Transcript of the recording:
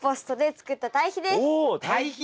お堆肥か！